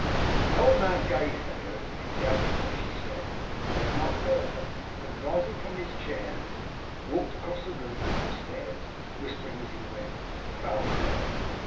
The old man gazed at her as if he doubted what she said, or had not heard her; and, rising from his chair, walked across the room and upstairs, whispering as he went, 'Foul play!